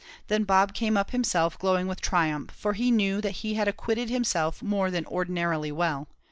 Then Bob came up himself, glowing with triumph, for he knew that he had acquitted himself more than ordinarily well.